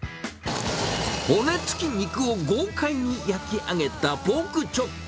骨付き肉を豪快に焼き上げたポークチョップ。